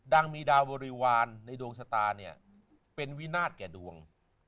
ดังมีดาวบริวารในดวงสตาร์เป็นวินาทแก่ดวง